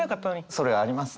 それありますね。